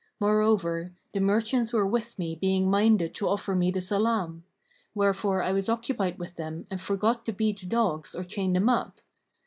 Moreover, the merchants were with me being minded to offer me the salam; wherefore I was occupied with them and forgot to beat the dogs or chain them up.